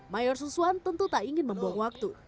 mayor suswan tentu tak ingin membuang waktu